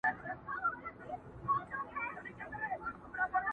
چا چي کړی په چاپلوس باندي باور دی٫